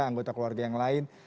anggota keluarga yang lain